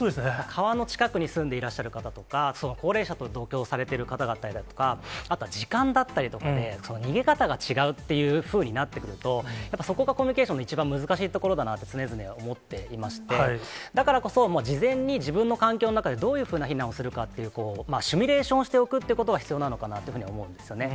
川の近くに住んでいらっしゃる方とか、高齢者と同居をされてる方だったりとか、あとは時間だったりとかで、逃げ方が違うというふうになってくると、やっぱりそこがコミュニケーションの一番難しいところだなと、常々思っていまして、だからこそ、事前に自分の環境の中でどういうような避難をするかっていうシミュレーションをしておくということが必要なのかなというふうに思うんですよね。